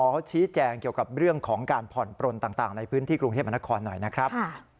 เขาชี้แจงเกี่ยวกับเรื่องของการผ่อนปลนต่างในพื้นที่กรุงเทพมนครหน่อยนะครับ